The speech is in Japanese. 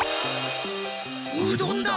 うどんだ！